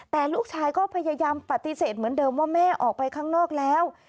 แต่ลูกชายก็พยายามปฏิเสธเหมือนเดิมว่าแม่ออกไปข้างนอกแล้ว